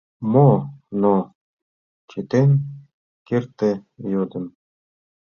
— Мо «но»? — чытен кертде йодым.